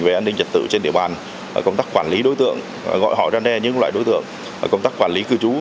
về an ninh trật tự trên địa bàn công tác quản lý đối tượng gọi hỏi răn đe những loại đối tượng công tác quản lý cư trú